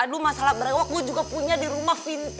aduh masalah berawak gue juga punya di rumah fintech